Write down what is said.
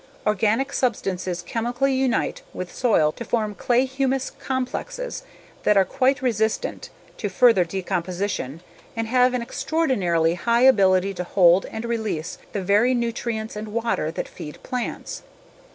Organic substances chemically unite with soil to form clay/humus complexes that are quite resistant to further decomposition and have an extraordinarily high ability to hold and release the very nutrients and water that feed plants.